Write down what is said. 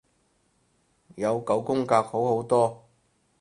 有九宮格好好多